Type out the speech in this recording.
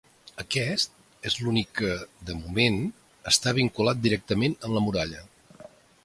Aquest és l'únic que, de moment, està vinculat directament amb la muralla.